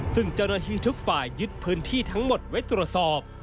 ซึ่งเจ้าหน้าที่ทุกฝ่ายยึดพื้นที่ทั้งหมดไว้ตรวจสอบ